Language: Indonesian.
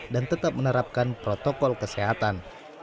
dan tetap menerapkan protokol kesehatan